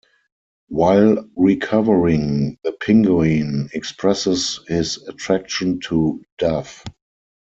While recovering, the Penguin expresses his attraction to Dove.